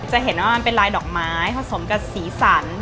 จะเห็นว่ามันเป็นลายดอกไม้ผสมกับสีสัน